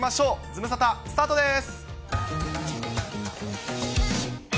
ズムサタ、スタートです。